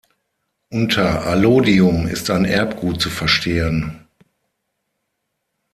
Unter "Allodium" ist ein Erbgut zu verstehen.